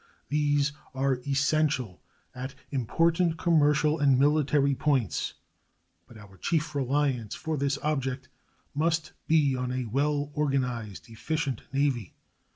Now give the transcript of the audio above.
These are essential at important commercial and military points, but our chief reliance for this object must be on a well organized, efficient navy.